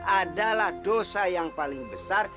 adalah dosa yang paling besar